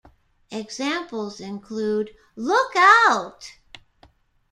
Examples include: Look out!